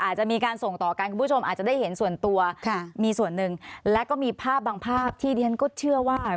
อาจจะมีการส่งต่อกันคุณผู้ชมอาจจะได้เห็นส่วนตัวค่ะมีส่วนหนึ่งแล้วก็มีภาพบางภาพที่ดิฉันก็เชื่อว่า